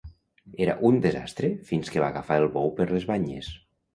Era un desastre fins que va agafar el bou per les banyes